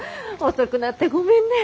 遅くなってごめんね。